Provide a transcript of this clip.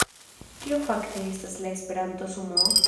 Kio fakte estas la Esperanto-sumoo?